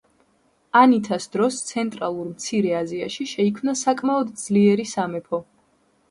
ანითას დროს ცენტრალურ მცირე აზიაში შეიქმნა საკმაოდ ძლიერი სამეფო.